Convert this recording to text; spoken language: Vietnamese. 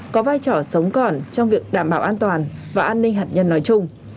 có vai trò sống còn trong việc đảm bảo an toàn và an ninh hạt nhân nói chung